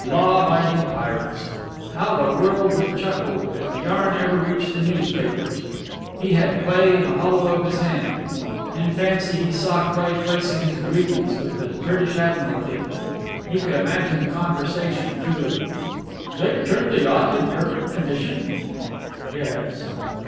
Law abiding pirates! How the world would chuckle if the yarn ever reached the newspapers! He had Cleigh in the hollow of his hand. In fancy he saw Cleigh placing his grievance with the British Admiralty. He could imagine the conversation, too. "They returned the yacht in perfect condition?" "Yes."